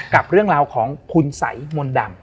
กับเรื่องราวของคุณสัยมนต์ดำ